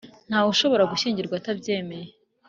Ntawe ushobora gushyingirwa atabyemeye